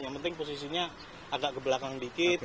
yang penting posisinya agak ke belakang dikit